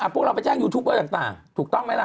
พวกเราไปแจ้งยูทูปเบอร์ต่างถูกต้องไหมล่ะ